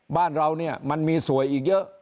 บ้านเราเนี่ยมันมีสวยอีกเยอะ